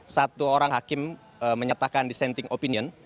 satu orang hakim menyatakan dissenting opinion